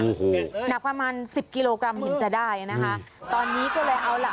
โอ้โหหนักประมาณสิบกิโลกรัมถึงจะได้นะคะตอนนี้ก็เลยเอาล่ะ